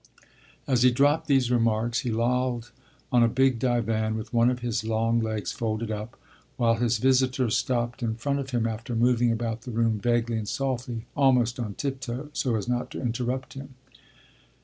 As he dropped these remarks he lolled on a big divan with one of his long legs folded up, while his visitor stopped in front of him after moving about the room vaguely and softly, almost on tiptoe, so as not to interrupt him.